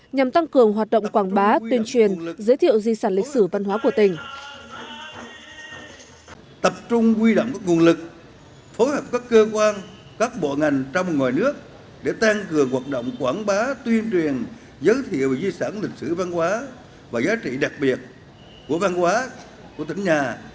nhằm tăng cường hoạt động quảng bá tuyên truyền giới thiệu di sản lịch sử văn hóa của tỉnh